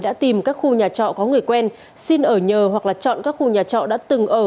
đã tìm các khu nhà trọ có người quen xin ở nhờ hoặc chọn các khu nhà trọ đã từng ở